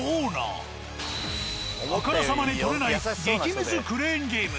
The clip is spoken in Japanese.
あからさまに取れない激ムズクレーンゲーム。